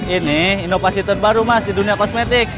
ini inovasi terbaru mas di dunia kosmetik